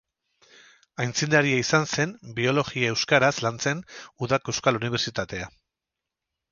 Aitzindaria izan zen biologia euskaraz lantzen Udako Euskal Unibertsitatea.